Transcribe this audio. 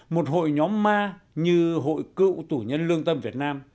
một hội nhóm ma như hội cựu tù nhân lương tâm việt nam